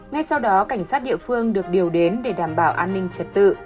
ngay sau đó cảnh sát địa phương được điều đến để đảm bảo an ninh trật tự